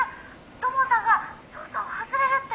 「土門さんが捜査を外れるって」